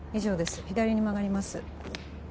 左に曲がります